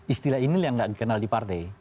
istilah ini yang tidak dikenal di partai